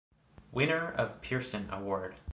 Winner of Pearson award.